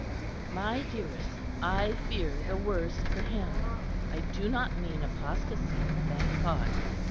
"My dearest, I fear the worst for him. I do not mean apostacy, thank God.